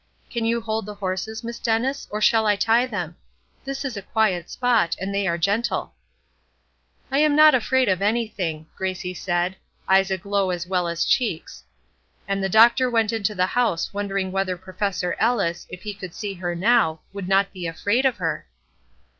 Can you hold the horses, Miss Dennis, or shall I tie them? This is a quiet spot, and they are gentle." "I am not afraid of anything," Gracie said, eyes aglow as well as cheeks. And the doctor went into the house wondering whether Professor Ellis, if he could see her now, would not be afraid of her.